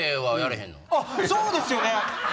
そうですよね！